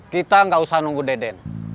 kita nggak usah nunggu deden